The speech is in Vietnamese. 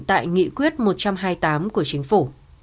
tại nghị quyết một trăm hai mươi tám của chính phủ